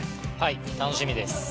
楽しみです。